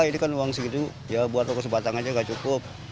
karena saya masih gitu ya buat waktu sebatang aja nggak cukup